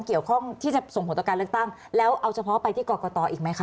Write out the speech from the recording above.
เกี่ยวข้องที่จะส่งผลตการณ์เลือกตั้งแล้วเอาเฉพาะไปที่กรกตอีกไหมคะ